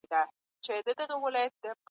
ولي خلګ بې انصافي کوي؟